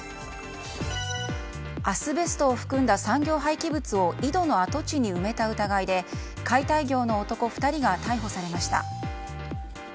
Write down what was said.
アスベストを含んだ産業廃棄物を井戸の跡地に埋めた疑いで解体業の男２人が逮捕されました。